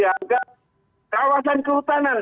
yang dianggap kawasan kehutanan